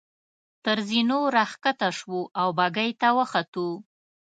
تر زینو را کښته شوو او بګۍ ته وختو.